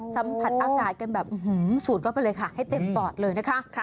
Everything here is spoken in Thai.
สัมผัสอากาศกันแบบสูดเข้าไปเลยค่ะให้เต็มปอดเลยนะคะ